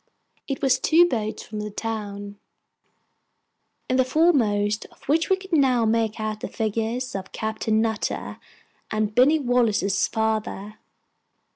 It was two boats from the town, in the foremost of which we could now make out the figures of Captain Nutter and Binny Wallace's father.